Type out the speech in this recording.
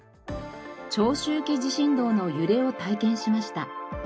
長周期地震動の揺れを体験しました。